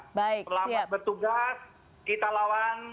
pelawat bertugas kita lawan